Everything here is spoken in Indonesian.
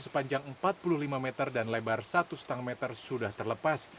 sepanjang empat puluh lima meter dan lebar satu lima meter sudah terlepas